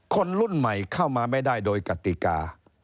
คนรุ่นใหม่เข้ามาไม่ได้โดยกติกา